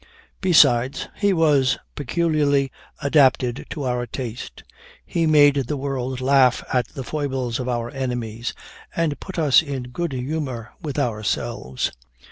"Besides, he was peculiarly adapted to our taste. He made the world laugh at the foibles of our enemies, and put us in good humor with ourselves.